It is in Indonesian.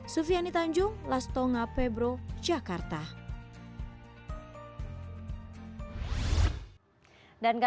sufiani tanjung lastonga pebro jakarta